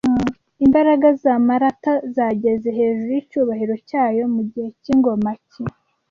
Imbaraga za Maratha zageze hejuru yicyubahiro cyayo mugihe cyingoma ki